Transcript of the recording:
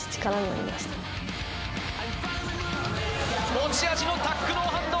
持ち味のタックノーハンド